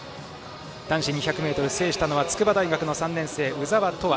男子２００ｍを制したのは筑波大学３年生の鵜澤飛羽。